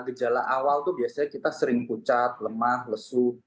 jadi gejala awal itu biasanya kita sering pucat lemah lesu